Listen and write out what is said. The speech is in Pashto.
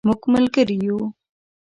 مونږ ملګری یو